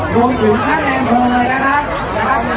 ขอบคุณมากนะคะแล้วก็แถวนี้ยังมีชาติของ